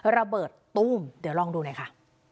ระเบิดตุ้มเดี๋ยวลองดูนะคะ